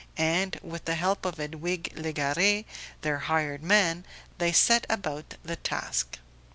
And, with the help of Edwige Legare, their hired man, they set about the task.